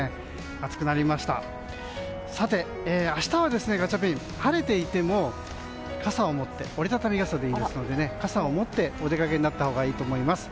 明日はガチャピン晴れていても傘を持って折り畳み傘でいいですので傘を持ってお出かけになったほうがいいと思います。